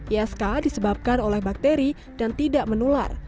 isk disebabkan oleh bakteri dan tidak menular